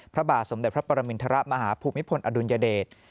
พระบาทสมเด็จพระปรมินทรมาฮภูมิพลอดุลยเดช